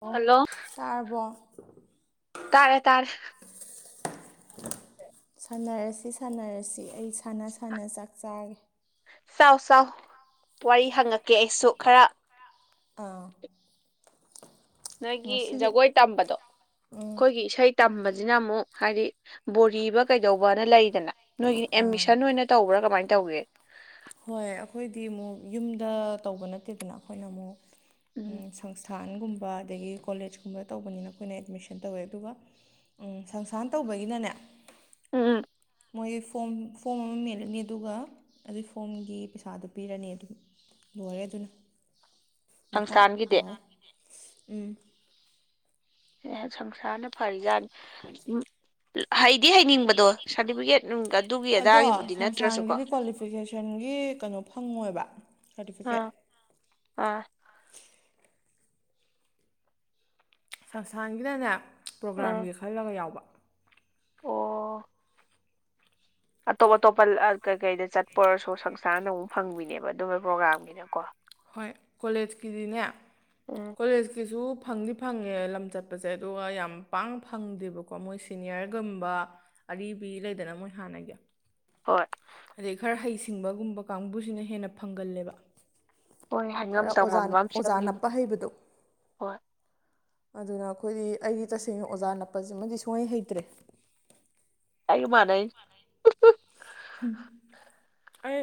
ꯑꯣ ꯍꯜꯂꯣ ꯇꯥꯔꯕꯣ ꯇꯥꯔꯦ ꯇꯥꯔꯦ ꯁꯅꯔꯁꯤ ꯁꯥꯟꯅꯔꯁꯤ ꯑꯩ ꯁꯥꯟꯅ ꯁꯥꯟꯅ ꯆꯥꯛ ꯆꯥꯔꯦ ꯆꯥꯎꯆ ꯆꯥꯎ ꯋꯥꯔꯤ ꯍꯪꯉꯛꯀꯦ ꯑꯩꯁꯨ ꯈꯔ ꯑꯥ ꯅꯣꯏꯒꯤ ꯉꯁꯤꯒꯤ ꯖꯒꯣꯏ ꯇꯝꯕꯗꯣ ꯎꯝ ꯑꯩꯈꯣꯏꯒꯤ ꯏꯁꯩ ꯇꯝꯕꯁꯤꯅ ꯑꯃꯨꯛ ꯍꯥꯏꯗꯤ ꯕꯣꯔꯤꯕ ꯀꯩꯗꯧꯕꯅ ꯂꯩꯗꯅ ꯅꯣꯏꯒꯤ ꯑꯥ ꯑꯦꯠꯃꯤꯁꯟ ꯑꯣꯏꯅ ꯇꯧꯕ꯭ꯔꯥ ꯀꯃꯥꯏꯅ ꯇꯧꯒꯦ ꯍꯣꯏ ꯑꯩꯈꯣꯏꯗꯤ ꯑꯃꯨꯛ ꯌꯨꯝꯗ ꯇꯧꯕ ꯅꯠꯇꯦꯗꯅ ꯑꯩꯈꯣꯏꯅ ꯑꯃꯨꯛ ꯎꯝ ꯁꯪꯁꯊꯥ ꯀꯥꯟꯒꯨꯝꯕ ꯑꯗꯒꯤ ꯀꯣꯂꯦꯖꯀꯨꯝꯕ ꯇꯧꯕꯅꯤꯅ ꯑꯩꯈꯣꯏꯅ ꯑꯦꯗꯃꯤꯁꯟ ꯇꯧꯋꯦ ꯑꯗꯨꯒ ꯎꯝ ꯁꯪꯁꯥꯔ ꯇꯧꯕꯒꯤꯅꯅꯦ ꯎꯝ ꯃꯣꯏ ꯐꯣꯝ ꯐꯣꯝ ꯑꯃ ꯃꯦꯜꯂꯅꯤ ꯑꯗꯨꯒ ꯑꯗꯨꯏ ꯐꯣꯝꯒꯤ ꯄꯩꯁꯥꯗ ꯄꯤꯔꯅꯤ ꯑꯗꯨꯝ ꯂꯣꯏꯔꯦ ꯑꯗꯨꯅ ꯃꯈꯥ ꯁꯪꯁꯊꯥꯟꯒꯤꯗꯤ ꯇꯧ ꯎꯝ ꯑꯦ ꯁꯪꯁꯥꯔꯅ ꯐꯔꯤꯖꯥꯠꯅꯤ ꯍꯩꯗꯤ ꯍꯩꯅꯤꯡꯕꯗꯣ ꯁꯥꯔꯇꯤꯐꯤꯀꯦꯠ ꯅꯨꯡ ꯑꯗꯨꯒꯤ ꯑꯗꯣ ꯑꯗꯥꯒꯤꯕꯨꯗꯤ ꯅꯠꯇ꯭ꯔꯁꯨꯀꯣ ꯁꯪꯁꯥꯟꯒꯤꯗꯤ ꯀ꯭ꯋꯥꯂꯤꯐꯤꯀꯦꯁꯟꯒꯤ ꯀꯩꯅꯣ ꯐꯪꯉꯣꯏꯕ ꯁꯥꯔꯇꯤꯐꯤꯀꯦꯠ ꯑꯥ ꯑꯥ ꯁꯪꯁꯊꯥꯟꯒꯤꯅꯅꯦ ꯑꯥ ꯄ꯭ꯔꯣꯒꯥ꯭ꯔꯥꯝꯒꯤ ꯈꯜꯂꯒ ꯌꯥꯎꯕ ꯑꯣ ꯑꯇꯣꯞ ꯑꯇꯣꯞꯄ ꯀꯩ ꯀꯩꯗ ꯆꯠꯄ ꯑꯣꯏꯔꯁꯨ ꯁꯪꯁꯥꯡꯅ ꯑꯃꯨꯛ ꯐꯪꯕꯤꯅꯦꯕ ꯑꯗꯨꯝꯕꯒꯤ ꯄ꯭ꯔꯣꯒꯥ꯭ꯔꯥꯝꯒꯤꯅꯀꯣ ꯍꯣꯏ ꯀꯣꯂꯦꯖꯀꯤꯗꯤꯅꯦ ꯎꯝ ꯀꯣꯂꯦꯖꯀꯤꯁꯨ ꯐꯪꯗꯤ ꯐꯪꯉꯦ ꯂꯝ ꯆꯠꯄꯁꯦ ꯑꯗꯨꯒ ꯌꯥꯝ ꯄꯥꯡꯅ ꯐꯪꯗꯦꯕꯀꯣ ꯃꯣꯏ ꯁꯤꯅꯤꯌꯔꯒꯨꯝꯕ ꯑꯔꯤꯕ ꯂꯩꯗꯅ ꯃꯣꯏ ꯍꯥꯟꯅꯒꯤ ꯍꯣꯏ ꯔꯦ ꯈꯔ ꯍꯩꯁꯤꯡꯕꯒꯨꯝꯕ ꯀꯥꯡꯕꯨꯁꯤꯅ ꯍꯦꯟꯅ ꯐꯪꯒꯜꯂꯦꯕ ꯍꯣꯏ ꯍꯥꯏꯉꯝ ꯈꯔ ꯑꯣꯖꯥ ꯇꯧꯉꯝꯕ ꯑꯃ ꯑꯣꯖꯥ ꯁꯦꯝꯂꯤꯅꯤ ꯅꯞꯄ ꯍꯩꯕꯗꯣ ꯍꯣꯏ ꯑꯗꯨꯅ ꯑꯩꯈꯣꯏꯗꯤ ꯑꯩꯒꯤ ꯇꯁꯦꯡꯅ ꯑꯣꯖꯥ ꯅꯞꯄꯁꯤꯃꯗꯤ ꯁꯨꯡꯍꯩ ꯍꯩꯇ꯭ꯔꯦ ꯑꯩꯒ ꯃꯥꯅꯩ ꯑꯩ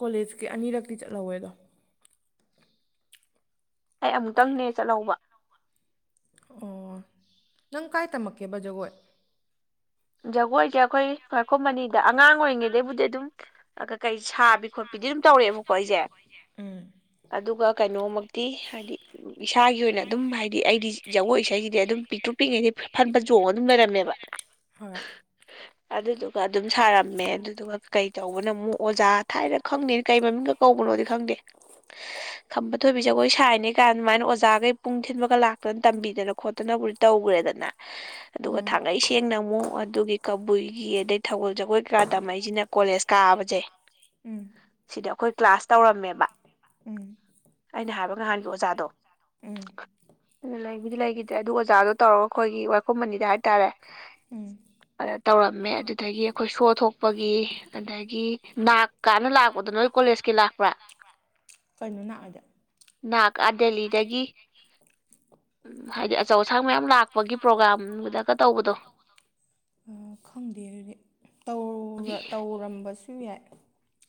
ꯀꯣꯂꯦꯖꯀꯤ ꯑꯅꯤꯔꯛꯇꯤ ꯆꯠꯍꯧꯋꯦꯗꯣ ꯑꯩ ꯑꯃꯨꯛꯇꯪꯅꯦ ꯆꯠꯍꯧꯕ ꯑꯣ ꯅꯪ ꯀꯥꯏ ꯇꯝꯃꯛꯀꯦꯕ ꯖꯒꯣꯏ ꯖꯒꯣꯏꯁꯦ ꯑꯩꯈꯣꯝ ꯃꯅꯤꯗ ꯑꯉꯥꯡ ꯑꯣꯏꯔꯤꯉꯩꯗꯩꯕꯨꯗꯤ ꯑꯗꯨꯝ ꯑ ꯀꯩ ꯁꯥꯕꯤ ꯈꯣꯠꯄꯤꯗꯤ ꯑꯗꯨꯝ ꯇꯧꯔꯛꯑꯦꯕꯀꯣ ꯑꯩꯁꯦ ꯎꯝ ꯑꯗꯨꯒ ꯀꯩꯅꯣꯃꯛꯇꯤ ꯍꯥꯏꯗꯤ ꯏꯁꯥꯒꯤ ꯑꯣꯏꯅ ꯑꯗꯨꯝ ꯍꯥꯏꯗꯤ ꯑꯩꯗꯤ ꯖꯒꯣꯏ ꯏꯁꯩꯁꯤꯗꯤ ꯑꯗꯨꯝ ꯄꯤꯛꯇ꯭ꯔꯨ ꯄꯤꯛꯉꯩꯗꯤ ꯐꯟ ꯐꯟ ꯆꯣꯡꯉ ꯑꯗꯨꯝ ꯂꯩꯔꯝꯃꯦꯕ ꯍꯣ [unintelligible] [unintelligible] ꯑꯗꯨꯗꯨꯒ ꯑꯗꯨꯝ ꯁꯥꯔꯝꯃꯦ ꯑꯗꯨꯗꯨꯒ ꯀꯩ ꯇꯧꯕꯅꯣ ꯑꯃꯨꯛ ꯑꯣꯖꯥ ꯊꯥꯏꯅ ꯈꯪꯗꯅ ꯀꯩ ꯃꯃꯤꯡ ꯀꯧꯕꯅꯣꯗꯤ ꯈꯪꯗꯦ ꯈꯝꯕ ꯊꯣꯏꯕꯤꯁꯦ ꯑꯩꯈꯣꯏ ꯁꯥꯏꯅꯤ ꯀꯥꯟ ꯑꯗꯨꯃꯥꯏꯅ ꯑꯣꯖꯥꯈꯩ ꯄꯨꯡ ꯊꯤꯟꯕꯒ ꯂꯥꯛꯇꯅ ꯇꯝꯕꯤꯗꯅ ꯈꯣꯠꯇꯅꯕꯨꯗꯤ ꯇꯧꯈ꯭ꯔꯦꯗꯅ ꯑꯗꯨꯒ ꯎꯝ ꯊꯥꯡꯉꯩ ꯁꯦꯡꯅ ꯑꯃꯨꯛ ꯑꯗꯨꯒꯤ ꯀꯕꯨꯏꯒꯤ ꯑꯗꯩ ꯊꯧꯒꯜ ꯖꯒꯣꯏ ꯀꯀꯥ ꯇꯝꯃꯛꯏꯁꯤꯅ ꯀꯣꯂꯦꯖ ꯀꯥꯕꯁꯦ ꯎꯝ ꯁꯤꯗ ꯑꯩꯈꯣꯏ ꯀ꯭ꯂꯥꯁ ꯇꯧꯔꯝꯃꯦꯕ ꯎꯝ ꯑꯩꯅ ꯍꯥꯏꯕ ꯅꯍꯥꯟꯒꯤ ꯑꯣꯖꯥꯗꯣ ꯎꯝ ꯂꯩꯕꯨꯗꯤ ꯂꯩꯈꯤꯗ꯭ꯔꯦ ꯑꯗꯨ ꯑꯣꯖꯥꯗꯣ ꯇꯧꯔꯒ ꯈꯣꯏꯒꯤ ꯋꯥꯏꯈꯣꯝ ꯃꯅꯤꯗ ꯍꯥꯏꯇꯥꯔꯦ ꯎꯝ ꯇꯧꯔꯝꯃꯦ ꯑꯗꯨꯗꯒꯤ ꯑꯩꯈꯣꯏ ꯁꯣ ꯊꯣꯛꯄꯒꯤ ꯑꯗ ꯑꯗꯒꯤ ꯅꯥꯛ ꯀꯥꯅ ꯂꯥꯛꯄꯗꯣ ꯅꯣꯏ ꯀꯣꯂꯦꯖꯀꯤ ꯂꯥꯛꯄ꯭ꯔꯥ ꯀꯩꯅꯣ ꯅꯥꯛ ꯑꯗꯤ ꯅꯥꯛ ꯑꯥ ꯗꯦꯂꯤꯗꯒꯤ ꯍꯥꯏꯗꯤ ꯑꯆꯧ ꯑꯁꯥꯡ ꯃꯌꯥꯝ ꯂꯥꯛꯄꯒꯤ ꯄ꯭ꯔꯣꯒꯥ꯭ꯔꯥꯝꯒꯗꯒ ꯇꯧꯕꯗꯣ ꯑ, ꯈꯪꯗꯦ ꯑꯗꯨꯗꯤ ꯇꯧꯔ ꯇꯧꯔꯝꯕꯁꯨ ꯌꯥꯏ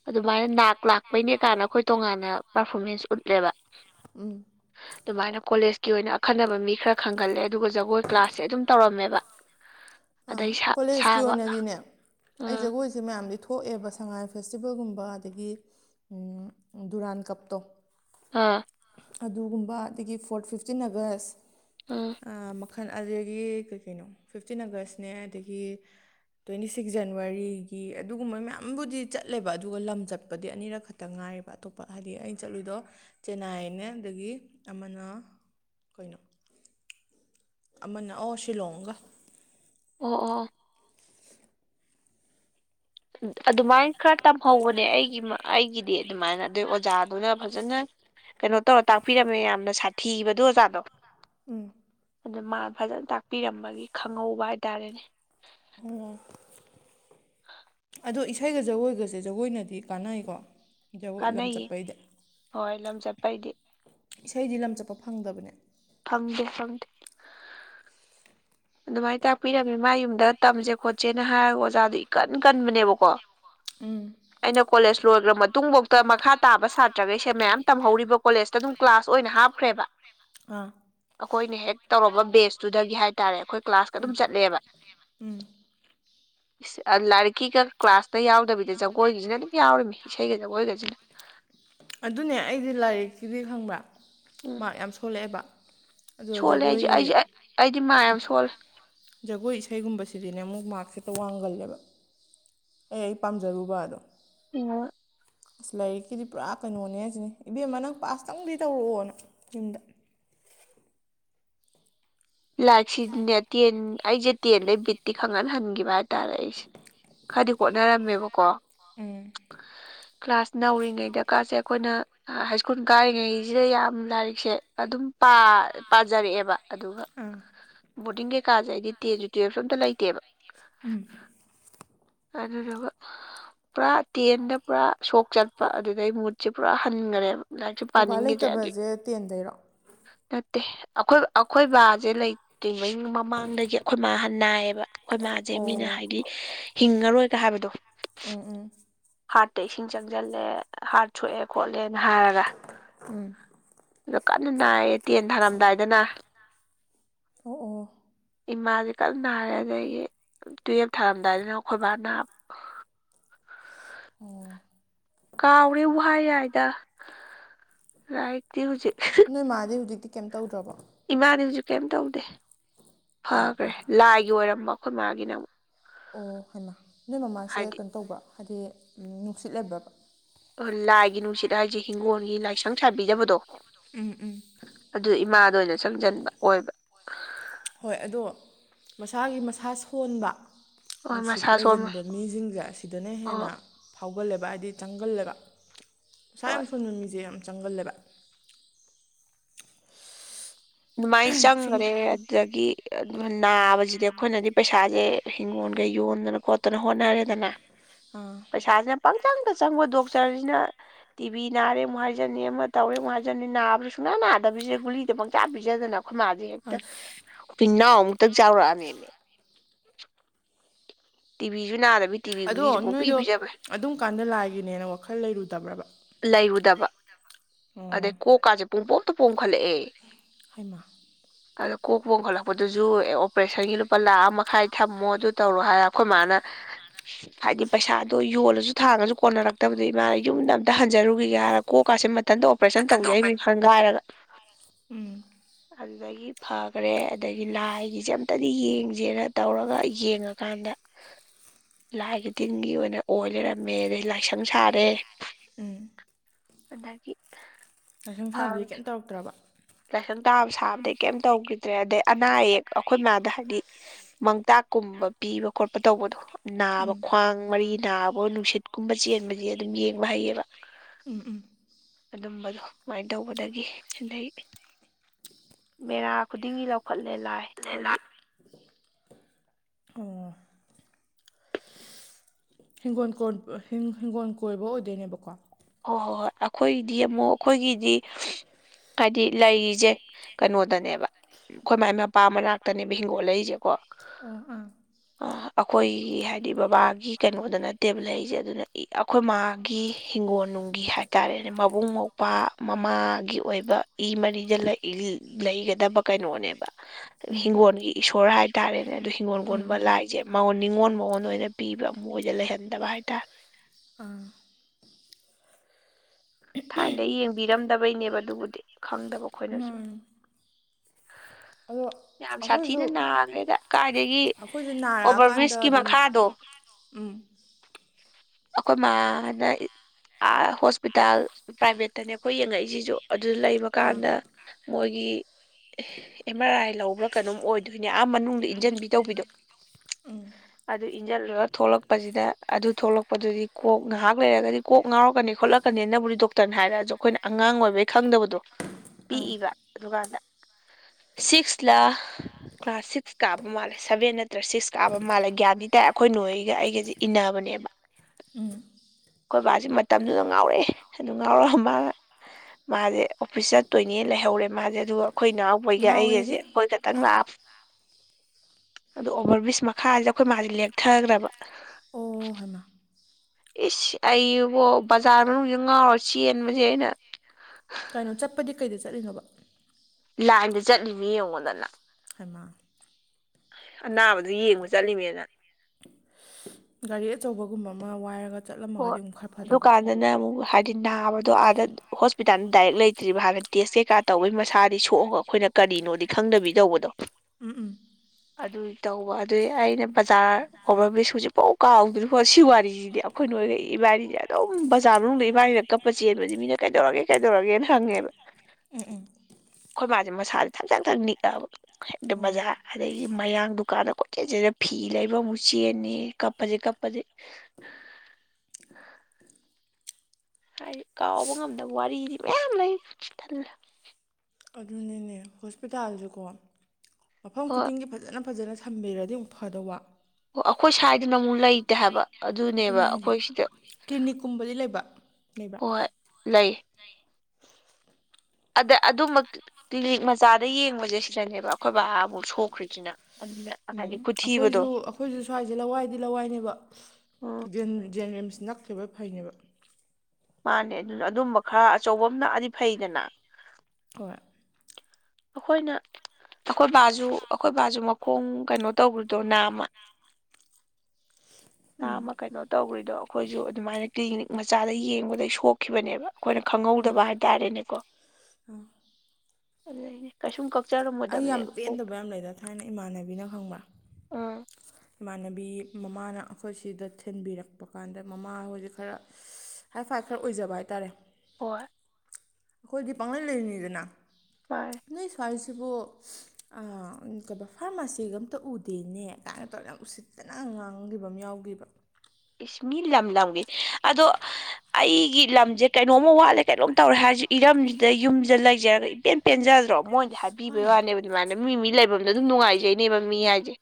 ꯑꯗꯨꯃꯥꯏꯅ ꯅꯥꯛ ꯂꯥꯛꯄꯩꯅꯦ ꯀꯥꯟꯗ ꯑꯩꯈꯣꯏ ꯇꯣꯉꯥꯟꯅ ꯄꯔꯐꯣꯔꯃꯦꯟꯁ ꯎꯠꯂꯦꯕ ꯎꯝ ꯑꯗꯨꯃꯥꯏꯅ ꯀꯣꯂꯦꯖꯀꯤ ꯑꯣꯏꯅ ꯑꯈꯟꯅꯕ ꯃꯤ ꯈꯔ ꯈꯪꯒꯜꯂꯦ ꯑꯗꯨꯒ ꯖꯒꯣꯏ ꯀ꯭ꯂꯥꯁꯁꯦ ꯑꯗꯨꯝ ꯇꯧꯔꯝꯃꯦꯕ [inaudible] ꯑꯥ ꯁꯥ ꯀꯣꯂꯦꯖꯀꯤ ꯁꯥꯕ ꯑꯣꯏꯅꯗꯤꯅꯦ ꯑꯩ ꯎꯝ ꯖꯒꯣꯏꯁ ꯁꯤ ꯃꯌꯥꯝꯗꯤ ꯊꯣꯛꯑꯦꯕ ꯁꯉꯥꯏ ꯐꯦꯁꯇꯤꯕꯦꯜꯒꯨꯝꯕ ꯑꯗꯒꯤ ꯗꯨꯔꯥꯟ ꯀꯞꯇꯣ ꯍꯥꯥ ꯑꯗꯨꯒꯨꯝꯕ ꯑꯗꯒꯤ ꯐꯣꯔꯠ ꯐꯤꯐꯇꯤꯟ ꯑꯥꯒꯁ ꯑꯥ ꯑꯍ ꯃꯈꯜ ꯑꯗꯨꯗꯒꯤ ꯀꯩ ꯀꯩꯅꯣ ꯐꯤꯐꯇꯤꯟ ꯑꯥꯒꯁꯅꯦ ꯑꯗꯒꯤ ꯇ꯭ꯋꯦꯟꯇꯤ ꯁꯤꯛꯁ ꯖꯅꯋꯥꯔꯤꯒꯤ ꯑꯗꯨꯒꯨꯝꯕ ꯃꯌꯥꯝꯕꯨꯗꯤ ꯆꯠꯂꯦꯕ ꯑꯗꯨꯒ ꯂꯝ ꯆꯠꯄꯗꯤ ꯑꯅꯤꯔꯛ ꯈꯛꯇ ꯛꯇ ꯉꯥꯏꯔꯤꯕ ꯑꯇꯣꯞꯄ ꯍꯥꯏꯗꯤ ꯑ ꯆꯠꯂꯨꯏꯗꯣ ꯆꯦꯟꯅꯥꯏꯅꯦ ꯑꯗꯒꯤ ꯑꯃꯅ ꯑꯩꯈꯣꯏꯅꯣ ꯑꯃꯅ ꯑꯣ ꯁꯤꯂꯣꯡꯒ ꯑꯣ ꯑꯣ ꯑꯗꯨꯃꯥꯏꯅ ꯈꯔ ꯇꯝꯍꯧꯕꯅꯦ ꯑꯩꯒꯤ ꯑꯩꯒꯤꯗꯤ ꯑꯗꯨꯃꯥꯏꯅ ꯑꯗꯨ ꯑꯣꯖꯥꯗꯨꯅ ꯐꯖꯅ ꯀꯩꯅꯣ ꯇꯧꯔꯥ ꯇꯥꯛꯄꯤꯔꯝꯃꯦ ꯌꯥꯝꯅ ꯁꯥꯊꯤꯕꯗꯣ ꯑꯣꯖꯥꯗꯣ ꯎꯝ ꯑꯗꯨ ꯃꯥꯅ ꯐꯖꯅ ꯇꯥꯛꯄꯤꯔꯝꯕꯒꯤ ꯈꯪꯍꯧꯕ ꯍꯥꯏꯇꯥꯔꯦꯅꯦ [inaudible] ꯑꯗꯣ ꯏꯁꯩꯒ ꯖꯒꯣꯏꯒꯁꯦ ꯖꯒꯣꯏꯅꯗꯤ ꯀꯥꯟꯅꯩꯀꯣ ꯖꯒꯣꯏ ꯂꯝ ꯀꯥꯟꯅꯩꯌꯦ ꯆꯠꯄꯩꯗꯤ ꯍꯣꯏ ꯂꯝ ꯆꯠꯄꯩꯗꯤ ꯏꯁꯩꯗꯤ ꯂꯝ ꯆꯠꯄ ꯐꯪꯗꯕꯅꯦ ꯐꯪꯗꯦ ꯐꯪꯗꯦ ꯑꯗꯨꯃꯥꯏ ꯇꯥꯛꯄꯤꯔꯝꯃꯦ ꯃꯥ ꯌꯨꯝꯗ ꯇꯝꯁꯦ ꯈꯣꯠꯁꯦꯅ ꯍꯥꯏꯔꯒ ꯑꯣꯖꯥꯗꯣ ꯏꯀꯟ ꯀꯟꯕꯅꯦꯕꯀꯣ [inaudible] ꯎꯝ ꯑꯩꯅ ꯀꯣꯂꯦꯖ ꯂꯣꯏꯈ꯭ꯔ ꯃꯇꯨꯡꯐꯧꯗ ꯃꯈꯥ ꯇꯥꯕ ꯁꯥꯇ꯭ꯔꯈꯩꯁꯦ ꯃꯌꯥꯝ ꯇꯝꯍꯧꯔꯤꯕ ꯀꯣꯂꯦꯖꯇ ꯑꯗꯨꯝ ꯀ꯭ꯂꯥꯁ ꯑꯣꯏꯅ ꯍꯥꯞꯈ꯭ꯔꯦꯕ ꯑꯥ ꯑꯩꯈꯣꯏꯅ ꯍꯦꯛ ꯇꯧꯔꯕ ꯕꯦꯁꯇꯨꯗꯒꯤ ꯍꯥꯏ ꯇꯔꯦ ꯑꯩꯈꯣꯏ ꯀ꯭ꯂꯥꯁ ꯑꯗꯨꯝ ꯆꯠꯂꯦꯕ ꯎꯝ [inaudible] ꯂꯥꯏꯔꯤꯛꯀꯤꯒ ꯀ꯭ꯂꯥꯁꯇ ꯌꯥꯎꯗꯕꯤꯗ ꯖꯒꯣꯏꯒꯤꯁꯤꯅ ꯑꯗꯨꯝ ꯌꯥꯎꯔꯤꯃꯤ ꯏꯁꯩꯒ ꯖꯒꯣꯏꯒꯖꯦ ꯑꯗꯨꯅꯦ ꯑꯩꯗꯤ ꯂꯥꯏꯔꯤꯛꯁꯤꯗꯤ ꯈꯪꯕ꯭ꯔꯥ ꯎꯝ ꯃꯥꯛ ꯌꯥꯝ ꯁꯣꯜꯂꯛꯑꯦꯕ ꯑꯗꯣ ꯁꯣꯜꯂꯦ ꯍꯥꯏꯁꯦ ꯖꯒꯣꯏꯒꯤ ꯑꯩꯁꯦ ꯑꯩꯗꯤ ꯃꯥꯛ ꯌꯥꯝ ꯁꯣꯜꯂꯦ ꯖꯒꯣꯏ ꯏꯁꯩꯒꯨꯝꯕꯁꯤꯗꯤꯅꯦ ꯑꯃꯨꯛ ꯃꯥꯛꯁꯦ ꯍꯦꯛꯇ ꯋꯥꯡꯒꯜꯂꯦꯕ ꯑꯩ ꯑꯩ ꯄꯥꯝꯖꯔꯨꯕ ꯗꯣ [inaudible] ꯑꯁ ꯂꯥꯏꯔꯤꯛꯀꯤꯗꯤ ꯄꯨꯔꯥ ꯀꯩꯅꯣꯅꯦ ꯍꯥꯏꯁꯤꯅꯦ ꯏꯕꯦꯝꯃ ꯅꯪ ꯄꯥꯁꯇꯪꯗꯤ ꯇꯧꯔꯛꯑꯣꯅ ꯌꯨꯝꯗ ꯂꯥꯛꯁꯤꯗꯤꯅꯦ ꯇꯦꯟ ꯑꯩꯁꯦ ꯇꯦꯟꯗꯩ ꯕꯤꯠꯇꯤ ꯈꯪꯍꯟ ꯍꯟꯈꯤꯕ ꯍꯥꯏꯇꯥꯔꯦ ꯑꯩꯁꯦ ꯈ ꯈꯗꯤ ꯍꯣꯠꯅꯔꯝꯃꯦꯕꯀꯣ ꯎꯝ ꯀ꯭ꯂꯥꯁ ꯅꯧꯔꯤꯉꯩꯗ ꯀꯥꯁꯦ ꯑꯩꯈꯣꯏꯅ ꯍꯥꯢꯁ꯭ꯀꯨꯜ ꯁ꯭ꯀꯨꯜ ꯀꯥꯔꯤꯉꯩꯁꯤꯗ ꯌꯥꯝ ꯂꯥꯏꯔꯤꯛꯁꯦ ꯑꯗꯨꯝ ꯄꯥ ꯄꯥꯖꯔꯛꯑꯦꯕ ꯑꯗꯨꯒ ꯑꯥ ꯕꯣꯔꯗꯤꯡ ꯀꯩꯀꯥꯁꯦ ꯍꯥꯏꯗꯤ ꯇꯦꯟꯁꯨ ꯇꯨꯌꯦꯜꯞꯁꯨ ꯑꯝꯇ ꯂꯩꯇꯦꯕ ꯎꯝ ꯑꯗꯨ [unintelligible] ꯄꯨꯔꯥ ꯇꯦꯟꯗ ꯄꯨꯔꯥ ꯁꯣꯛ ꯆꯠꯄ ꯑꯗꯨꯗꯩ ꯃꯨꯠꯁꯦ ꯄꯨꯔꯥ ꯍꯟꯒ꯭ꯔꯦꯕ ꯕꯕꯥ ꯂꯩꯇꯕꯁꯦ ꯇꯦꯟꯗꯩꯔꯣ ꯅꯠꯇꯦ ꯑꯩꯈꯣꯏ ꯑꯩꯈꯣꯏꯕ ꯁꯦ ꯂꯩꯇ꯭ꯔꯤꯉꯩ ꯃꯃꯥꯡꯗꯒꯤ ꯑꯩꯈꯣꯏ ꯃꯥ ꯅꯥꯏꯌꯦꯕ ꯑꯩꯈꯣꯏ ꯃꯥꯁꯦ ꯑꯣ ꯃꯤꯅ ꯍꯥꯏꯗꯤ ꯍꯤꯡꯉꯔꯣꯏꯒ ꯍꯥꯏꯕꯗꯣ ꯎꯝ ꯎꯝ ꯍꯥꯔꯠꯇ ꯏꯁꯤꯡ ꯆꯪꯖꯜꯂꯦ ꯍꯥꯔꯠ ꯁꯣꯛꯑꯦ ꯈꯣꯠꯂꯦꯅ ꯍꯥꯏꯔꯒ ꯎꯝ ꯑꯗꯣ ꯀꯟꯅ ꯅꯥꯏꯌꯦ ꯇꯦꯟ ꯊꯥꯔꯝꯗꯥꯏꯗꯅ ꯑꯣ ꯑꯣ ꯏꯃꯥꯁꯦ ꯀꯟꯅ ꯅꯥꯔꯦ ꯑꯗꯒꯤ ꯇꯨꯌꯦꯜꯞ ꯊꯥꯔꯝꯗꯥꯏꯗꯅ ꯈꯣꯏꯕꯥ ꯅꯥ ꯑꯣ ꯀꯥꯎꯔꯦꯕꯨ ꯍꯥꯏ ꯌꯥꯏꯗ ꯂꯥꯏꯔꯤꯛꯇꯤ ꯍꯧꯖꯤꯛ ꯅꯣꯏ ꯃꯥꯗꯤ ꯍꯨꯖꯤꯛꯇꯤ ꯀꯩꯝ ꯇꯧꯗ꯭ꯔꯕꯣ ꯏꯃꯥꯗꯤ ꯍꯨꯖꯤꯛ ꯀꯩꯝ ꯇꯧꯗꯦ ꯐꯔꯦ ꯐꯒ꯭ꯔꯦ ꯐꯔꯦ ꯂꯥꯏꯒꯤ ꯑꯣꯏꯔꯝꯕ ꯈꯣꯏ ꯃꯥꯒꯤꯅ ꯑꯃꯨꯛ ꯑꯣ ꯍꯩꯃꯥ ꯅꯣꯏ ꯃꯃꯥꯁꯦ ꯍꯥꯏꯗꯤ ꯀꯩꯅꯣ ꯇꯧꯕꯔ ꯍꯥꯏꯗꯤ ꯅꯨꯡꯁꯤꯠ ꯂꯩꯕ꯭ꯔꯕ ꯑꯣ ꯂꯥꯏꯒꯤ ꯅꯨꯡꯁꯤꯠ ꯍꯥꯏꯁꯦ ꯍꯤꯡꯒꯣꯜꯒꯤ ꯂꯥꯏꯁꯪ ꯁꯥꯕꯤꯗꯕꯗꯣ ꯎꯝ ꯎꯝ ꯑꯗꯨ ꯏꯃꯥꯗ ꯑꯣꯏꯅ ꯆꯪꯖꯟꯕ ꯑꯣꯏꯕ ꯍꯣꯏ ꯑꯗꯣ ꯃꯁꯥꯒꯤ ꯃꯁꯥ ꯁꯣꯟꯕ ꯍꯣꯏ ꯅꯨꯡꯁꯤꯠ ꯃꯁꯥ ꯂꯩꯒꯟꯕ ꯁꯣꯟꯕꯩ ꯃꯤꯁꯤꯡꯁꯦ ꯁꯤꯗꯅ ꯍꯦꯟꯅ ꯍꯣꯏ ꯐꯥꯎꯒꯜꯂꯦꯕ ꯍꯥꯏꯗꯤ ꯆꯪꯒꯜꯂꯦꯕ ꯃꯁꯥ ꯍꯣꯏ ꯌꯥꯝ ꯁꯣꯟꯕ ꯃꯤꯁꯦ ꯌꯥꯝ ꯆꯪꯒꯜꯂꯦꯕ ꯑꯗꯨꯃꯥꯏꯅ ꯁꯨꯝ ꯆꯪꯈ꯭ꯔꯦ ꯑꯗꯨꯗꯒꯤ ꯅꯥꯕꯁꯤꯗꯤ ꯑꯩꯈꯣꯏꯅꯗꯤ ꯄꯩꯁꯥꯁꯦ ꯍꯤꯡꯒꯣꯜꯒ ꯌꯣꯟꯗꯅ ꯈꯣꯠꯇꯅ ꯍꯣꯠꯅꯔꯦꯗꯅ ꯑꯥ ꯄꯩꯁꯥꯁꯤꯅ ꯄꯪꯆꯪꯗ ꯆꯪꯕ ꯗꯣꯛꯇꯔꯁꯤꯅ ꯇꯤꯕꯤ ꯅꯥꯔꯦ ꯑꯃꯨꯛ ꯍꯥꯏꯖꯅꯤ ꯑꯃ ꯇꯧꯔꯦ ꯑꯃꯨꯛ ꯍꯥꯏꯖꯟꯅꯤ ꯅꯥꯕꯁꯨ ꯁꯨꯡꯅꯥ ꯅꯥꯗꯕꯥꯁꯤꯗ ꯒꯨꯂꯤꯗ ꯆꯥ ꯄꯤꯖꯗꯅ ꯑꯩꯈꯣꯏ ꯃꯥꯥꯁꯦ ꯍꯦꯛꯇꯥ ꯑꯁ ꯍꯨꯏꯅꯥꯎ ꯃꯨꯛꯇꯪ ꯆꯥꯎꯔꯛꯑꯅꯦꯃꯤ ꯇꯤꯕꯤꯖꯨ ꯅꯥꯗꯕꯤ ꯇꯤꯕꯤ ꯑꯗꯣ ꯒꯨꯂꯤꯁꯨ ꯄꯨꯡꯄꯤ ꯅꯣꯏꯗꯣ ꯄꯤꯖꯕ ꯑꯗꯨꯝ ꯀꯥꯟꯗ ꯂꯥꯏꯒꯤꯅꯦꯅ ꯋꯥꯈꯜ ꯂꯩꯔꯨꯗꯕ꯭ꯔꯕ ꯂꯩꯔꯨꯗꯕ ꯑꯣ ꯑꯗꯩ ꯀꯣꯛꯀꯥꯁꯦ ꯄꯨꯡꯄꯣꯛꯇ ꯄꯣꯝꯈꯠꯂꯛꯑꯦ ꯍꯥꯏꯃ ꯑꯗꯣ ꯀꯣꯛ ꯄꯣꯝꯈꯠꯂꯛꯄꯗꯨꯁꯨ ꯑꯦ ꯑꯣꯄꯔꯦꯁꯟꯒꯤ ꯂꯨꯄꯥ ꯂꯥꯛꯑ ꯃꯈꯥꯏ ꯊꯝꯃꯣ ꯑꯗꯨ ꯇꯧꯔꯣ ꯍꯥꯏ ꯑꯩꯈꯣꯏ ꯃꯥꯅ ꯍꯥꯏꯗꯤ ꯄꯩꯁꯥꯗꯣ ꯌꯣꯜꯂꯁꯨ ꯊꯥꯡꯉꯁꯨ ꯀꯣꯟꯅꯔꯛꯇꯕꯗꯒꯤ ꯃꯥꯅ ꯌꯨꯝꯗ ꯑꯝꯇ ꯍꯟꯖꯔꯨꯒꯦ ꯍꯥꯏꯔꯕ ꯀꯣꯛꯀꯁꯦ ꯃꯊꯇ ꯑꯣꯄꯔꯦꯁꯟ ꯇꯧꯖꯩꯃꯤ ꯃꯊꯥꯟꯇꯥ ꯍꯟꯒꯥꯏꯔꯒ ꯎꯝ ꯑꯗꯨꯗꯩ ꯑꯗꯒꯤ ꯐꯈꯔꯦ ꯑꯗꯒꯤ ꯂꯥꯏꯒꯤꯁꯦ ꯑꯝꯇꯗꯤ ꯌꯦꯡꯁꯦꯅ ꯇꯧꯔꯒ ꯌꯦꯡꯉꯀꯥꯟꯗ ꯂꯥꯏꯒꯤ ꯇꯤꯟꯒꯤ ꯑꯣꯏꯅ ꯑꯣꯏ ꯂꯩꯔꯝꯃꯦ ꯑꯗꯩ ꯂꯥꯏꯁꯪ ꯁꯥꯔꯦ ꯎꯝ ꯑꯗꯒꯤ ꯂꯥꯏꯁꯪ ꯁꯥꯕꯗꯤ ꯐꯈ꯭ꯔꯦ ꯀꯩꯝ ꯇꯧꯔꯛꯇ꯭ꯔꯕ ꯂꯥꯏꯁꯪ ꯇꯥꯕ ꯁꯥꯕꯗꯒꯤ ꯀꯩꯝ ꯇꯧꯈꯤꯗ꯭ꯔꯦ ꯑꯗꯩ ꯑꯅꯥ ꯑꯌꯦꯛ ꯑꯩꯈꯣꯏ ꯃꯥꯗ ꯍꯥꯏꯗꯤ ꯃꯥꯡꯇꯥꯛꯀꯨꯝꯕ ꯄꯤꯕ ꯈꯣꯠꯄ ꯇꯧꯕꯗꯣ ꯅꯥꯕ ꯈ꯭ꯋꯥꯡ ꯃꯔꯤ ꯅꯥꯕ ꯅꯨꯡꯁꯤꯠꯀꯨꯝꯕ ꯆꯦꯟꯕꯁꯦ ꯑꯗꯨꯝ ꯌꯦꯡꯕ ꯍꯩꯌꯦꯕ ꯎꯝ ꯎꯝ ꯑꯗꯨꯝꯕꯗꯣ ꯃꯥꯏꯅ ꯇꯧꯕꯗꯒꯤ ꯑꯗꯩ ꯃꯦꯔꯥ ꯈꯨꯗꯤꯡꯒꯤ ꯂꯧꯈꯠꯂꯦ ꯂꯥꯏ ꯑꯩꯈꯣꯏꯒꯤ ꯑꯣ ꯍꯤꯡꯒꯣꯜ ꯀꯣꯟ ꯍꯤꯡꯒꯣꯜ ꯀꯣꯏꯕ ꯑꯣꯏꯗꯣꯏꯅꯦꯕꯀꯣ ꯍꯣꯏ ꯍꯣꯏ ꯍꯣꯏ ꯑꯩꯈꯣꯏꯗꯤ ꯑꯃꯨꯛ ꯑꯩꯈꯣꯏꯒꯤꯗꯤ ꯍꯥꯏꯗꯤ ꯂꯩꯔꯤꯁꯦ ꯀꯩꯅꯣꯗꯅꯦꯕ ꯑꯩꯈꯣꯏ ꯃꯥꯏ ꯃꯄꯥꯝ ꯃꯅꯥꯛꯇꯅꯦꯕ ꯍꯤꯡꯒꯣꯜ ꯂꯩꯔꯤꯁꯦꯀꯣ ꯑꯣ ꯑꯥ ꯑꯩꯈꯣꯏꯒꯤ ꯍꯥꯏꯗꯤ ꯕꯕꯥꯒꯤ ꯀꯩꯅꯣꯗꯅꯠꯇꯦꯕ ꯂꯩꯏꯁꯦ ꯑꯗꯨꯅ ꯑꯩꯈꯣꯏ ꯃꯥꯒꯤ ꯍꯤꯡꯒꯣꯜ ꯅꯨꯡꯒꯤ ꯍꯥꯏꯇꯥꯔꯦꯅꯦ ꯃꯕꯨꯡ ꯃꯧꯄ꯭ꯋꯥ ꯃꯃꯥꯒꯤ ꯑꯣꯏꯕ ꯏ ꯃꯔꯤꯗ ꯂꯩ ꯏꯔꯤꯜ ꯂꯩꯒꯗꯕ ꯀꯩꯅꯣꯅꯦꯕ ꯎꯝ ꯍꯤꯡꯒꯣꯜꯒꯤ ꯏꯁꯣꯔ ꯍꯥꯏꯇꯥꯔꯦꯅꯦ ꯑꯗꯨ ꯍꯤꯡꯒꯣꯜ ꯎꯝ ꯀꯣꯟꯕ ꯎꯝ ꯂꯥꯏꯁꯦ ꯃꯉꯣꯟ ꯅꯤꯉꯣꯟꯜ ꯃꯉꯣꯟꯗ ꯑꯣꯏꯅ ꯄꯤꯕ ꯑꯃꯣꯏꯗ ꯂꯩꯍꯟꯗꯕ ꯍꯥꯏꯇꯥꯔꯦ ꯑꯥ ꯊꯥꯏꯅꯗꯩ ꯌꯦꯡꯕꯤꯔꯝꯗꯕꯩꯅꯦꯕ ꯑꯗꯨꯕꯨꯗꯤ ꯈꯪꯗꯕ ꯑꯩꯈꯣꯏꯅꯁꯨ ꯎꯝ ꯑꯗꯣ ꯌꯥꯝ ꯁꯥꯊꯤꯅ ꯑꯩꯈꯣꯏꯁꯨ ꯅꯥꯈ꯭ꯔꯦꯗ ꯀꯥꯏꯗꯒꯤ ꯑꯩꯈꯣꯏꯁꯨ ꯑꯣꯚꯔ ꯅꯥꯔꯛꯑꯀꯥꯟꯗ ꯕ꯭ꯔꯤꯖꯀꯤ ꯑꯗꯨꯝ ꯃꯈꯥꯗꯣ ꯎꯝ ꯑꯩꯈꯣꯏ ꯃꯥꯅ ꯑꯥ ꯍꯣꯁꯄꯤꯇꯥꯜ ꯄ꯭ꯔꯥꯏꯚꯦꯠꯇꯅꯦ ꯑꯩꯈꯣꯏ ꯌꯦꯡꯉꯛꯏꯁꯤꯁꯨ ꯑꯗꯨ ꯂꯩꯕ ꯑꯥ ꯀꯥꯟꯗ ꯃꯣꯏꯒꯤ ꯑꯦꯝ ꯑꯥꯔ ꯑꯥꯏ ꯂꯧꯕ꯭ꯔꯥ ꯀꯩꯅꯣꯝ ꯑꯣꯏꯗꯣꯏꯅꯦ ꯑꯥ ꯃꯅꯨꯡꯗ ꯏꯟꯁꯤꯟꯕꯤ ꯇꯧꯕꯤꯗꯣ ꯎꯝ ꯑꯗꯨ ꯏꯟꯖꯜꯂꯒ ꯊꯣꯛꯂꯛꯄꯁꯤꯗ ꯑꯗꯨ ꯊꯣꯛꯂꯛꯄꯗꯨꯗꯤ ꯀꯣꯛ ꯉꯥꯏꯍꯥꯛ ꯂꯩꯔꯒꯗꯤ ꯀꯣꯛ ꯉꯥꯎꯔꯛꯀꯅꯤ ꯈꯣꯠꯂꯛꯀꯅꯤꯅꯕꯨꯗꯤ ꯗꯣꯛ ꯗꯇꯟ ꯍꯥꯏꯔꯛꯁꯨ ꯑꯩꯈꯣꯏꯅ ꯑꯉꯥꯡ ꯑꯣꯏꯕꯩ ꯈꯪꯗꯕꯗꯣ ꯑꯥ ꯄꯤꯛꯏꯕ ꯑꯗꯨꯀꯥꯟꯗ ꯁꯤꯛꯁ ꯂꯥ ꯀ꯭ꯂꯥꯁ ꯁꯤꯛꯁ ꯀꯥꯕ ꯃꯥꯜꯂꯦ ꯁꯕꯦꯟ ꯅꯠꯇ꯭ꯔ ꯁꯤꯛꯁ ꯀꯥꯕ ꯃꯥꯜꯂꯦ ꯒ꯭ꯌꯥꯟꯗꯤ ꯇꯥꯏ ꯑꯩꯈꯣꯏ ꯅꯣꯏ ꯑꯩꯒ ꯑꯩꯒꯁꯦ ꯏꯟꯅꯕꯅꯦꯕ ꯎꯝ ꯑꯩꯈꯣꯏ ꯕꯥꯁꯤꯦ ꯃꯇꯝꯗꯨꯗ ꯉꯥꯎꯔꯛꯑꯦ ꯑꯗꯨ ꯉꯥꯎꯔ ꯃꯥꯅ ꯃꯥꯁꯦ ꯑꯣꯐꯤꯁ ꯆꯠꯇꯣꯏꯅꯦ ꯂꯩꯍꯧꯔꯦ ꯃꯥꯁꯦ ꯑꯗꯨꯒ ꯑꯩꯈꯣꯏ ꯏꯅꯥꯎꯕꯒ ꯑꯩꯒꯁꯦ ꯉꯥꯎꯋꯦꯗꯤ ꯑꯩꯈꯣꯏ ꯈꯇꯪ ꯂꯥꯛ ꯑꯗꯨ ꯑꯣꯚꯔ ꯭ꯕꯔꯤꯖ ꯃꯈꯥꯁꯤꯗ ꯑꯩꯈꯣꯏ ꯃꯥꯁꯦ ꯂꯦꯛꯊꯈ꯭ꯔꯕ ꯑꯣ ꯍꯩꯃꯥ ꯏꯁ ꯑꯩꯕꯣ ꯕꯖꯥꯔ ꯃꯅꯨꯡꯖꯤ ꯉꯥꯎꯔ ꯆꯦꯟꯕꯁꯦ ꯑꯩꯅ ꯀꯩꯅꯣ ꯆꯠꯄꯗꯤ ꯀꯩꯗ ꯆꯠꯂꯤꯅꯣꯕ ꯂꯥꯏꯟꯗ ꯆꯠꯂꯤꯅꯤ ꯌꯦꯡꯉꯣꯗꯅ ꯍꯥꯏꯃ ꯑꯅꯥꯕꯗꯨ ꯌꯦꯡꯕ ꯆꯠꯂꯤꯃꯦꯅ ꯒꯥꯔꯤ ꯑꯆꯧꯕꯒꯨꯝꯕ ꯑꯃ ꯋꯥꯏꯔꯒ ꯍ ꯆꯠꯂꯝꯃꯒꯗꯤ ꯑꯃꯨꯛ ꯈꯔ ꯐꯗꯧꯕ ꯑꯗꯨꯀꯥꯟꯗꯅ ꯑꯃꯨꯛ ꯍꯥꯏꯗꯤ ꯅꯥꯕ ꯑꯗꯣ ꯑꯥꯗ ꯍꯣꯁꯄꯤꯇꯥꯜꯗ ꯗꯥꯏꯔꯦꯛ ꯂꯩꯇ꯭ꯔꯤꯕ ꯍꯥꯟꯗ ꯇꯦꯁ ꯀꯩꯀꯥ ꯇꯧꯕꯒꯤ ꯃꯁꯥꯗꯤ ꯁꯣꯛꯑꯒ ꯑꯩꯈꯣꯏꯅ ꯀꯔꯤꯅꯣꯗꯤ ꯈꯪꯗꯕꯤ ꯇꯧꯕꯗꯣ ꯎꯝ ꯎꯝ ꯑꯗꯨ ꯇꯧꯕ ꯑꯗꯨꯏ ꯑꯩꯅ ꯕꯖꯥꯔ ꯈꯣ ꯃꯤ ꯁꯖꯤꯛ ꯐꯥꯎ ꯀꯥꯎꯗꯗꯤ ꯁꯤꯋꯥꯔꯤꯁꯤꯗꯤ ꯑꯩꯈꯣꯏ ꯅꯣꯏꯒ ꯏꯕꯥꯅꯤꯁꯦ ꯑꯗꯨꯝ ꯕꯖꯥꯔ ꯃꯅꯨꯡꯗ ꯏꯕꯥꯅꯤꯅ ꯀꯞꯄ ꯆꯦꯟꯕꯗꯤ ꯃꯤꯅ ꯀꯩꯗꯧꯔꯒꯦ ꯀꯩꯗꯧꯔꯒꯦꯅ ꯍꯪꯉꯦꯕ ꯎ ꯑꯩꯈꯣꯏꯕꯥꯁꯦ ꯃꯁꯥꯁꯦ ꯊꯞ ꯆꯥꯅ ꯊꯞꯅ ꯅꯤꯛꯑꯕ ꯍꯦꯛꯇ ꯎꯝ ꯕꯖꯥꯔ ꯑꯗꯒꯤ ꯃꯌꯥꯡ ꯗꯨꯀꯥꯟꯗ ꯀꯣꯏꯠꯆꯦꯜꯁꯤꯗ ꯐꯤ ꯂꯩꯕ ꯑꯃꯨꯛ ꯆꯦꯟꯅꯤ ꯀꯞꯄꯁꯤꯦ ꯀꯞꯄꯁꯦ ꯍꯥꯏ ꯀꯥꯎꯕ ꯉꯝꯗꯕ ꯋꯥꯔꯤꯗꯤ ꯃꯌꯥꯝ ꯂꯩ ꯊꯜꯂ ꯑꯗꯨꯅꯤꯅꯦ ꯍꯣꯁꯄꯤꯇꯥꯜꯁꯨꯀꯣ ꯃꯐꯝ ꯍꯣꯏ ꯈꯨꯗꯤꯡꯒꯤ ꯐꯖꯅ ꯐꯖꯅ ꯊꯝꯕꯤꯔꯗꯤ ꯑꯃꯨꯛ ꯐꯗꯧꯕ ꯑꯣ ꯑꯩꯈꯣꯏ ꯁ꯭ꯋꯥꯏꯗꯅ ꯑꯃꯨꯛ ꯂꯩꯇꯦ ꯍꯥꯏꯕ ꯑꯗꯨꯅꯦꯕ ꯑꯗꯨꯅꯦ ꯍꯥꯏꯁꯦ ꯑꯩꯈꯣꯏ ꯁꯤꯗ ꯀ꯭ꯂꯤꯅꯤꯛꯀꯨꯝꯕꯗꯤ ꯂꯩꯕ ꯂꯩꯕ꯭ꯔꯥ ꯍꯣꯏꯣꯏ ꯂꯩ ꯑꯗ ꯑꯗꯨꯝꯕ ꯀ꯭ꯂꯤꯅꯤꯛ ꯃꯆꯥꯗ ꯌꯦꯡꯕꯁꯦ ꯁꯤꯗꯅꯦꯕ ꯑꯩꯈꯣꯏ ꯕꯕꯥ ꯑꯃꯨꯛ ꯁꯣꯛꯈ꯭ꯔꯤꯁꯤꯅ ꯑꯗꯨ ꯍꯥꯏꯗꯤ ꯎꯝ ꯑꯩꯈꯣꯏꯁꯨ ꯈꯨꯊꯤꯕꯗꯣ ꯑꯩꯈꯣꯏꯁꯨ ꯁ꯭ꯋꯥꯏꯁꯦ ꯂꯋꯥꯏꯗꯤ ꯂꯋꯥꯏꯅꯦꯕ ꯎꯝ ꯖꯦꯅꯤꯝꯁ ꯅꯛ ꯂꯣꯢ ꯐꯩꯅꯦꯕ ꯃꯥꯅꯦ ꯑꯗꯨꯅ ꯑꯗꯨꯝꯕ ꯈꯔ ꯑꯆꯧꯕ ꯑꯃꯅꯛꯑꯗꯤ ꯐꯩꯗꯅ ꯀꯣꯏ ꯑꯩꯈꯣꯏꯅ ꯑꯩꯈꯣꯏ ꯕꯥꯁꯨ ꯑꯩꯈꯣꯏ ꯕꯥꯁꯨ ꯃꯈꯣꯡ ꯀꯩꯅꯣ ꯇꯧꯕꯔꯤꯗꯣ ꯅꯥꯝꯃ ꯉ ꯑꯃ ꯀꯩꯅꯣ ꯇꯧ꯭ꯔꯤꯗꯣ ꯑꯩꯈꯣꯏꯁꯨ ꯑꯗꯨꯃꯥꯏꯅ ꯀ꯭ꯂꯤꯅꯤꯛ ꯃꯆꯥꯗ ꯌꯦꯡꯕꯗꯒꯤꯩ ꯁꯣꯛ ꯀꯈꯤꯕꯅꯦꯕ ꯑꯩꯈꯣꯏꯅ ꯈꯪꯍꯧꯗꯕ ꯍꯥꯏꯇꯥꯔꯦꯅꯦꯀꯣ ꯑꯗꯨꯩꯅꯦ ꯀꯩꯁꯨꯝ ꯑꯩ ꯌꯥꯝ ꯀꯛꯆꯔꯝꯑꯣꯏꯗꯕꯅꯦꯕ ꯑꯣꯛ ꯄꯦꯟꯗꯕ ꯌꯥꯝ ꯂꯩꯗ ꯊꯥꯏꯅ ꯏꯃꯥꯟꯅꯕꯤꯅ ꯈꯪꯕ ꯎꯝ ꯏꯃꯥꯟꯅꯕꯤ ꯃꯃꯥꯅ ꯑꯩꯈꯣꯏ ꯁꯤꯗ ꯊꯤꯟꯕꯤꯔꯛꯄ ꯀꯥꯟꯗ ꯃꯃꯥ ꯍꯣꯏꯁꯛ ꯈꯔ ꯍꯥꯏ ꯐꯥꯏ ꯈꯔ ꯑꯣꯏꯖꯕ ꯍꯥꯏꯇꯥꯔꯦ ꯍꯣꯏ ꯑꯩꯈꯣꯏꯗꯤ ꯄꯥꯡꯒꯟ ꯂꯩꯔꯤꯅꯤꯗꯅ ꯍꯥꯏ ꯅꯣꯏ ꯁ꯭ꯋꯥꯏꯁꯤꯕꯨ ꯑꯥ ꯐꯥꯔꯃꯥꯁꯤꯒ ꯑꯝꯇ ꯎꯗꯦꯅꯦ ꯑꯗꯨꯃꯥꯏꯅ ꯇꯧꯔ ꯌꯥꯝ ꯎꯁꯤꯠ [inaudible] ꯉꯥꯡꯈꯤꯕ ꯑꯃ ꯌꯥꯎꯒꯤꯕ ꯏꯁ ꯃꯤ ꯂꯝ ꯂꯝꯒꯤ ꯑꯗꯣ ꯑꯩꯒꯤ ꯂꯝꯁꯦ ꯀꯩꯅꯣꯝ ꯋꯥꯠꯂꯦ ꯀꯩꯅꯣꯝ ꯇꯧꯔꯦ ꯍꯥꯏꯔꯁꯨ ꯏꯔꯝꯁꯤꯗ ꯌꯨꯝꯗ ꯂꯩꯖꯔꯒ ꯏꯄꯦꯟ ꯄꯦꯟꯖꯗ꯭ꯔꯣ ꯃꯣꯏꯅꯗꯤ ꯍꯥꯏꯕꯤꯕꯩ ꯃꯥꯅꯦ ꯋꯥꯅꯦꯕ ꯑꯗꯨꯃꯥꯏꯅ ꯃꯤ ꯃꯤ ꯂꯩꯕꯝꯗ ꯑꯗꯨꯝ ꯅꯨꯡꯉꯥꯏꯖꯩꯅꯦꯕ ꯃꯤ ꯍꯥꯏꯁꯦ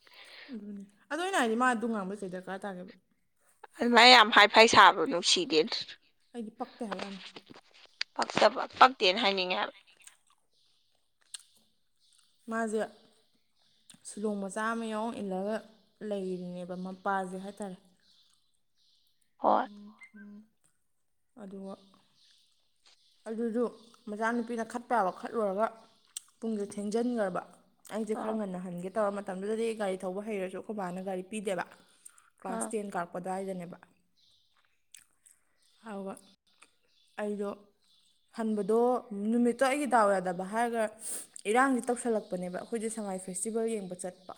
ꯑꯗꯨꯅꯦ ꯑꯗꯨ ꯑꯩꯅ ꯍꯥꯏꯗꯤ ꯃꯥ ꯑꯗꯨ ꯉꯥꯡꯕꯩ ꯀꯩ ꯗꯔꯀꯥꯔ ꯇꯥꯒꯦꯕ ꯑꯗꯨꯃꯥꯏ ꯌꯥꯝ ꯍꯥꯏ ꯐꯥꯏ ꯁꯥꯕꯗꯣ ꯅꯨꯡꯁꯤꯗꯦ ꯑꯩꯗꯤ ꯄꯛꯇꯦ ꯍꯥꯏꯕ ꯑꯃꯤ ꯄꯛꯇꯕ ꯄꯛꯇꯦꯅ ꯍꯥꯏꯅꯤꯡꯉꯦ ꯍꯥꯏꯕ ꯃꯥꯁꯦ ꯁꯤꯂꯣꯡ ꯃꯆꯥ ꯑꯃ ꯌꯥꯎ ꯏꯜꯂꯒ ꯂꯩꯔꯤꯅꯦꯕ ꯃꯄꯥꯁꯦ ꯍꯥꯏꯇꯥꯔꯦ ꯍꯣꯏ ꯎꯝ ꯎꯝ ꯑꯗꯨꯒ ꯑꯗꯨꯗꯨ ꯃꯆꯥꯅꯨꯄꯤꯅ ꯈꯠꯄꯥ ꯌꯕꯥ ꯈꯠꯂꯨꯔꯒ ꯄꯨꯡꯁꯦ ꯊꯦꯡꯖꯤꯟꯈ꯭ꯔꯕ ꯑꯩꯁꯦ ꯑꯥ ꯈꯔ ꯉꯟꯅ ꯍꯟꯒꯦ ꯇꯧꯔ ꯃꯇꯝꯗꯨꯗꯗꯤ ꯒꯥꯔꯤ ꯊꯧꯕ ꯍꯩꯔꯁꯨ ꯑꯩꯈꯣꯏꯕꯥꯅ ꯒꯥꯔꯤ ꯄꯤꯗꯦꯕ ꯀ꯭ꯂꯥꯁ ꯑꯥ ꯇꯦꯟ ꯀꯥꯕ ꯀꯥꯔꯛꯄ ꯑꯗꯨꯋꯥꯏꯗꯅꯦꯕ ꯑꯗꯨꯒ ꯑꯩꯗꯣ [inaudible] ꯍꯟꯕꯗꯣ ꯅꯨꯃꯤꯠꯇꯣ ꯑꯩꯒꯤ ꯗꯥꯎ ꯌꯥꯗꯕ ꯍꯥꯏꯔꯒ ꯏꯔꯥꯡꯁꯤ ꯇꯧꯁꯜꯂꯛꯄꯅꯦꯕ ꯑꯩꯈꯣꯏꯁꯦ ꯁꯉꯥꯏ ꯐꯦꯁꯇꯤꯕꯦꯜ ꯌꯦꯡꯕ ꯆꯠꯄ